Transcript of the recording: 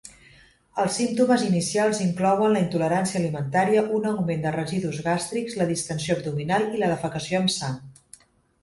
Els símptomes inicials inclouen la intolerància alimentària, un augment de residus gàstrics, la distensió abdominal i la defecació amb sang.